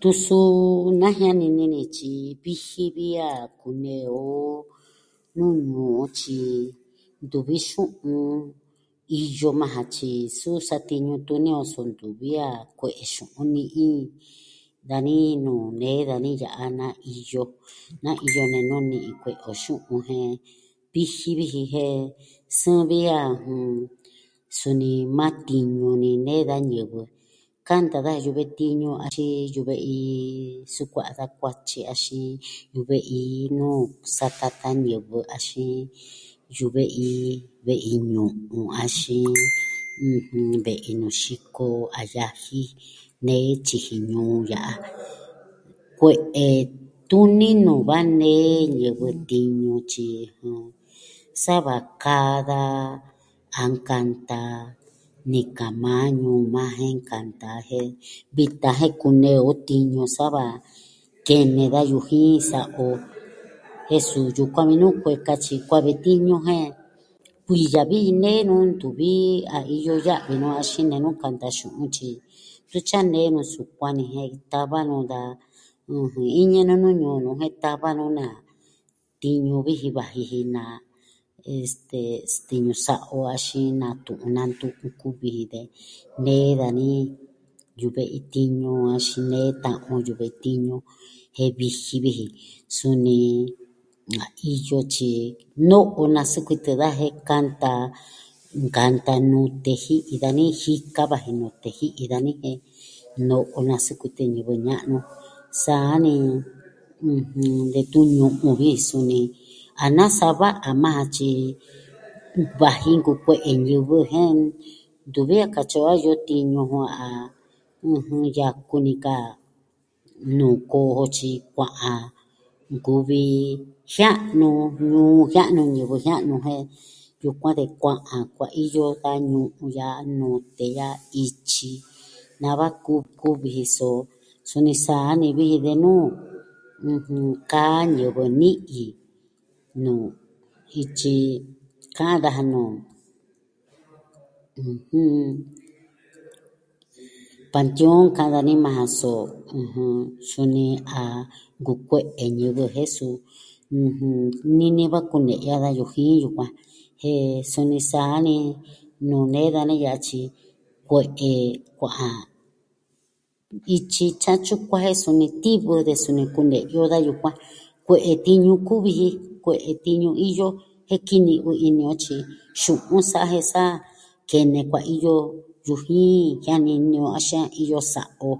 Tun suu na jianini ni tyi viji vi a kunee on nu ñuu on tyi ntuvi xu'un, iyo majan tyi, suu satiñu tuni on, suu ntuvi a kue'e xu'un ni'i dani nuu nee dani ya'a naa iyo, naa iyo nenu ni'i kue'e o xu'un. Jen viji viji jen sɨɨn vi a suni maa tiñu ni nee da ñivɨ, kanta daja yu'u ve'i tiñu axin yu'u ve'i sukua'a da kuatyi axin, yu'u ve'i nuu satatan ñivɨ, axin yu'u ve'i ve'i ñu'un axin, ɨjɨnj, ve'i nuu xiko a yaji nee tyiji ñuu ya'a, kue'e tuni nuu va nee ñivɨ tiñu, tyi, sa va kaa da a nkanta nika maa ñuu maa jen nkanta jen, vitan jen kunee on tiñu sa va kene da yujin sa'a o jen suu yukuan vi nuu kueka tyi kuaa ve'i tiñu jen kuiya viji nee nuu ntuvi, a iyo ya'vi nu axin nenu kanta xu'un tyi ntu tyi a nenu sukuan ni jen tava nuu da, ɨjɨn, iñɨ nenu ñuu nuu jen tava nu naa, tiñu viji vaji ji na. Este, tiñu sa'a o axin nantu'un nantu'un kuvi ji de nee dani yu'u ve'i tiñu axin nee ta'an on yu'u ve'i tiñu jen viji vi ji, suni naa iyo tyi, no'o na sikuitɨ daja jen kanta, nkanta nute ji'i dani jika vaji nute ji'i dani jen no'o na sikuitɨ ñivɨ ña'nu, saa ni, ɨjɨn, detun ñu'un jin, suni a na sava a majan tyi vaji nkukue'e ñivɨ ntuvi a katyi o a yu'u tiñu jun a, ɨjɨn, yaku ni kaa nuu koo jo tyi kua'an nkuvi jia'nu ñuu jia'nu ñivɨ jia'nu jen yukuan de kua'an kuaiyo da ñu'un a nute a ityi nava kuv... kuvi ji so suni sa'a ni viji de nuu, ɨjɨn, kaa ñivɨ ni'yɨ nuu ityi ka'an daja nuu, ɨjɨn, panteon ka'an dani majan so, suni a nkukue'e ñivɨ jen suu, ɨjɨn, nini va kune'ya da yujin yukuan jen suni sa'a ni nuu nee dani ya'a tyi, kue'e kua'an ityi tyi a tyukuan jen suni tivɨ de suni kune'ya o da yukuan kue'e tiñu kuvi ji, kue'e tiñu iyo jen kinivɨ ini o tyi tyu'un sa jen sa kene kuaiyo yujin jianini on axin iyo sa'a o.